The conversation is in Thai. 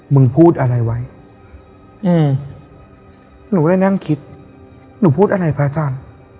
มึงพูดอะไรไว้อืมหนูเลยนั่งคิดหนูพูดอะไรพระอาจารย์